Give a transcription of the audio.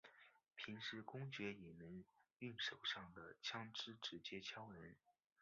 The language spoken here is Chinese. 平时公爵也能用手上的枪枝直接敲人。